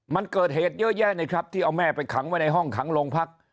มันเกิดเหตุเยอะแยะเลยครับที่เอาแม่ไปขังไว้ในห้องขังโรงพัก